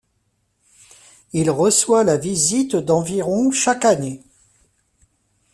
Il reçoit la visite d'environ chaque année.